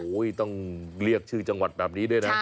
ต้องเรียกชื่อจังหวัดแบบนี้ด้วยนะ